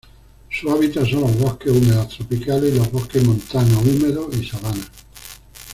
Su hábitat son los bosques húmedos tropicales y los bosques montanos húmedos y sabanas.